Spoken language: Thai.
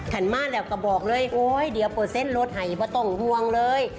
ท่านมาแล้วก็บอกเลยโอ๊ยเดี๋ยวเปอร์เซ็นต์รถไห่ป่ะต้องห่วงเลย